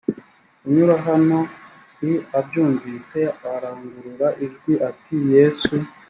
kunyura hano l abyumvise arangurura ijwi ati yesu